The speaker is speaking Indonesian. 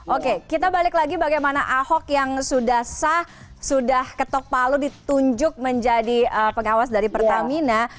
oke kita balik lagi bagaimana ahok yang sudah sah sudah ketok palu ditunjuk menjadi pengawas dari pertamina